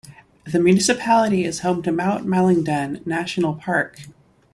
The municipality is home to Mount Malindang National Park.